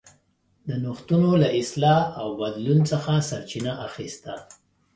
د نوښتونو له اصلاح او بدلون څخه سرچینه اخیسته.